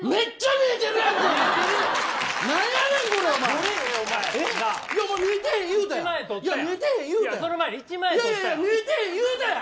見えてへん言うやん。